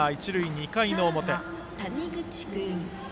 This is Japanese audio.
２回の表。